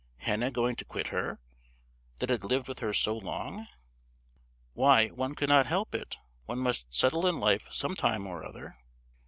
Hannah going to quit her, that had lived with her so long!" "Why, one could not help it; one must settle in life some time or other."